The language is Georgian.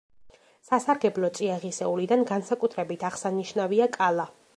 სასარგებლო წიაღისეულიდან განსაკუთრებით აღსანიშნავია კალა.